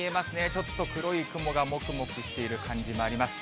ちょっと黒い雲がもくもくしている感じもあります。